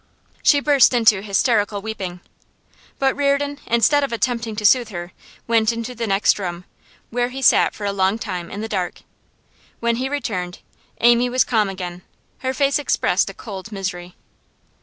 She burst into hysterical weeping. But Reardon, instead of attempting to soothe her, went into the next room, where he sat for a long time in the dark. When he returned Amy was calm again; her face expressed a cold misery.